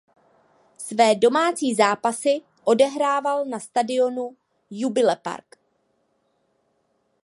Své domácí zápasy odehrával na stadionu Jubilee Park.